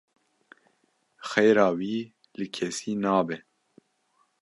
Xêra wî li kesî nabe.